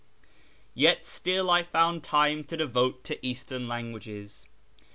Yet still I found time to devote to Eastern languages.